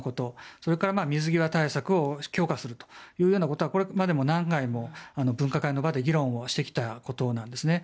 それから、水際対策を強化するということはこれまで何回も分科会の場で議論をしてきたことなんですね。